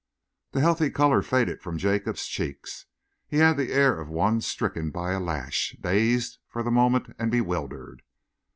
The healthy colour faded from Jacob's cheeks. He had the air of one stricken by a lash dazed for the moment and bewildered.